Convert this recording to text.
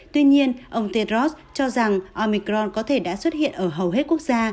tuy nhiên ông tedros cho rằng omicron có thể đã xuất hiện ở hầu hết quốc gia